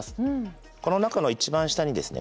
この中の一番下にですね